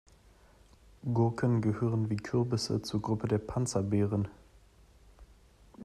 Gurken gehören wie Kürbisse zur Gruppe der Panzerbeeren.